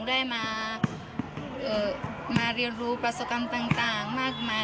ได้มาเรียนรู้ประศกรรมต่างมากมาย